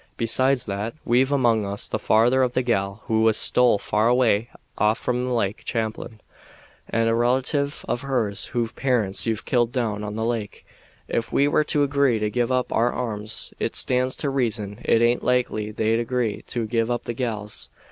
Besides that, we've among us the father of the gal who was stole far away off from Lake Champlain, and a relative of hers whose parents you've killed down on the lake. Ef we were to agree to give up our arms, it stands to reason it aint likely they'd agree to give up the gals.